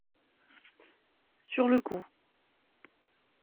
Sur le coup.